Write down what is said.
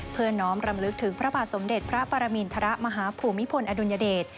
น้อมรำลึกถึงพระบาทสมเด็จพระปรมินทรมาฮภูมิพลอดุลยเดช